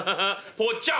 ぽっちゃん」。